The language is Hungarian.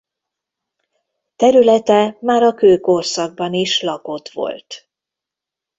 Területe már a kőkorszakban is lakott volt.